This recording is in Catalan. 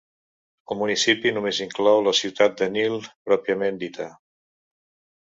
El municipi només inclou la ciutat de Niel pròpiament dita.